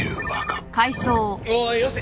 おいよせ！